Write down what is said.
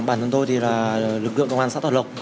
bản thân tôi thì là lực lượng công an xã bảo lộc